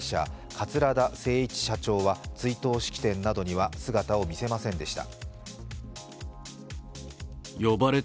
桂田精一社長は追悼式典などには姿を見せませんでした。